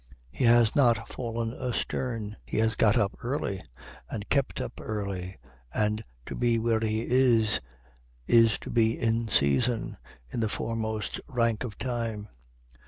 He has not fallen astern; he has got up early, and kept up early, and to be where he is to be in season, in the foremost rank of time.